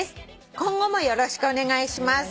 「今後もよろしくお願いします」